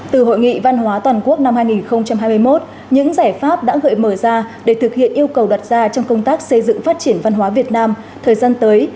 từ hội nghị văn hóa toàn quốc năm hai nghìn hai mươi một những giải pháp đã gợi mở ra để thực hiện yêu cầu đặt ra trong công tác xây dựng phát triển văn hóa việt nam thời gian tới